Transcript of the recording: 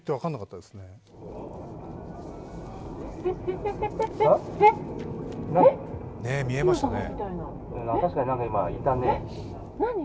ねっ、見えましたね。